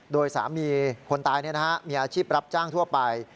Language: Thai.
โดยสามีคนตายมีอาชีพรับจ้างทั่วไป